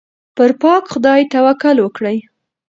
پر پاک خدای توکل وکړئ.